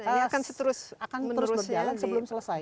ini akan terus berjalan sebelum selesai